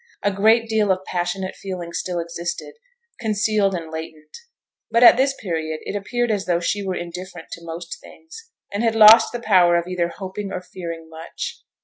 A great deal of passionate feeling still existed, concealed and latent; but at this period it appeared as though she were indifferent to most things, and had lost the power of either hoping or fearing much.